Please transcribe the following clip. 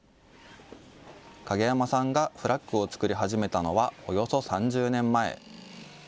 影山さんがフラッグを作り始めたのはおよそ３０年前。